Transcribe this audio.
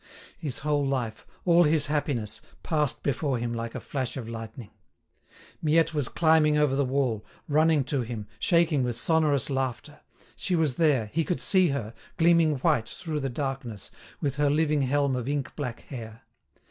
His whole life—all his happiness—passed before him like a flash of lightning. Miette was climbing over the wall, running to him, shaking with sonorous laughter. She was there; he could see her, gleaming white through the darkness, with her living helm of ink black hair.